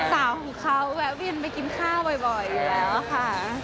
สาวของเขาแวะเวียนไปกินข้าวบ่อยอยู่แล้วค่ะ